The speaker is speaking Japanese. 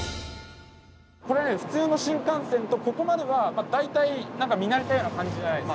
これね普通の新幹線とここまでは大体何か見慣れたような感じじゃないですか。